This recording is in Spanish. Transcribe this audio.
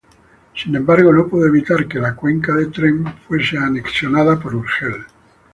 Sin embargo, no pudo evitar que la Cuenca de Tremp fuese anexionada por Urgel.